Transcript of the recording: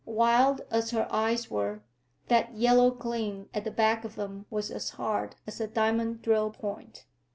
Wild as her eyes were, that yellow gleam at the back of them was as hard as a diamond drill point.